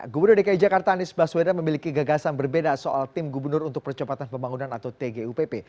gubernur dki jakarta anies baswedan memiliki gagasan berbeda soal tim gubernur untuk percepatan pembangunan atau tgupp